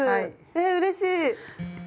えうれしい！